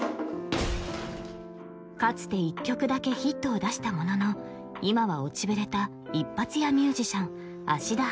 かつて１曲だけヒットを出したものの今は落ちぶれた一発屋ミュージシャン芦田春樹